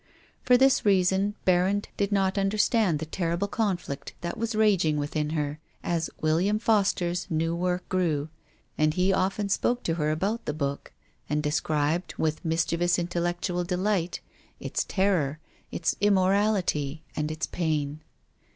I'or this reason licrrand did not un I70 TONGUES OF CONSCIENCE. dcrstand the terrible conflict that was raging within her as " William Foster's " new work grew, and he often spoke to her about the book, and described, with mischievous intellectual de light, its terror, its immorality and its pain.